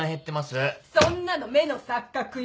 そんなの目の錯覚よ！